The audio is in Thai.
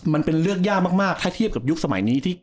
มันเป็นเลือกยากมากถ้าเทียบยุคสมัยนี้ที่